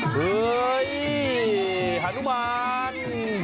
เฮ้ยฮานุมาน